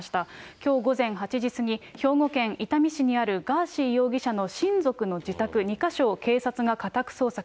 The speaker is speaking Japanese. きょう午前８時過ぎ、兵庫県伊丹市にあるガーシー容疑者の親族の自宅２か所を警察が家宅捜索。